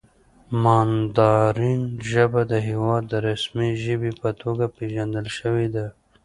د ماندارین ژبه د هېواد د رسمي ژبې په توګه پېژندل شوې ده.